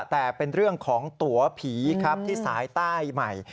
แต่เป็นเรื่องของตัวผีครับที่สายใต้ใหม่